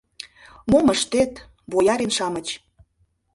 Мом ыштет: боярин-шамыч